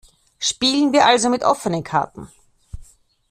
Spielen wir also mit offenen Karten.